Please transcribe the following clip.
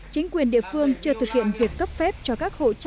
chính quyền địa phương chưa thực hiện việc cấp phục